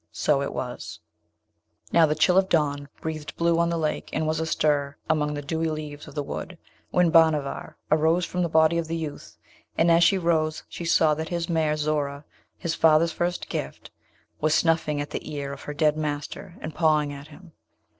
So was it! Now the chill of dawn breathed blue on the lake and was astir among the dewy leaves of the wood, when Bhanavar arose from the body of the youth, and as she rose she saw that his mare Zoora, his father's first gift, was snuffing at the ear of her dead master, and pawing him.